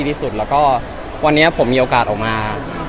เพราะวันนี้ผมมีโอกาสออกมา